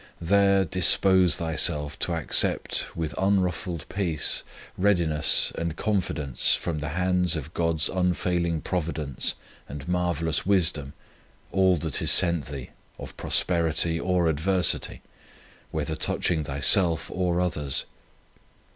There dispose thyself to accept with unruffled peace, readiness, and confidence from the hands of God s unfailing Providence and marvellous wisdom all that is sent thee of prosperity or adversity, whether touching thyself or others.